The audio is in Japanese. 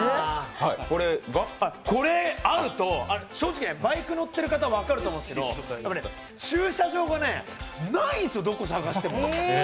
これ正直、バイク乗って方は分かると思うんですけど、駐車場がないんですよ、どこ探しても。